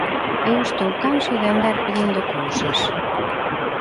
Eu estou canso de andar pedindo cousas.